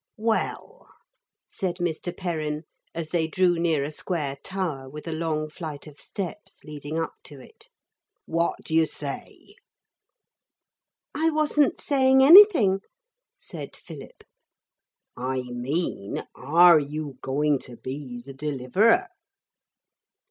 'Well,' said Mr. Perrin as they drew near a square tower with a long flight of steps leading up to it, 'what do you say?' 'I wasn't saying anything,' said Philip. 'I mean are you going to be the Deliverer?'